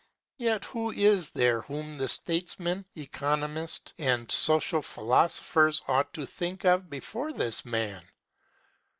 Yet who is there whom the statesman, economist, and social philosopher ought to think of before this man?